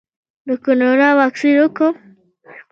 د کرونا واکسین وکړم؟